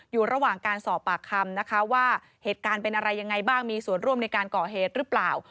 อยู่ระหว่างการสอบปากคำนะคะว่าเหตุการณ์เป็นอะไรยังไงบ้างมีส่วนร่วมในการก่อเหตุหรือเปล่า